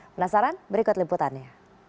penasaran berikut liputannya